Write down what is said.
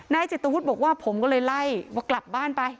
จิตวุฒิบอกว่าผมก็เลยไล่ว่ากลับบ้านไป